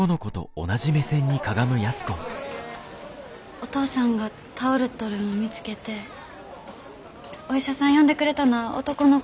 お父さんが倒れとるんを見つけてお医者さん呼んでくれたなあ